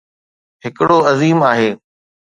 ھڪڙو عظيم آھي.